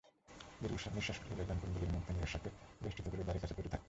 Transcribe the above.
দীর্ঘনিশ্বাস ফেলে লেজের কুণ্ডলীর মধ্যে নৈরাশ্যকে বেষ্ঠিত করে দ্বারের কাছে পড়ে থাকত।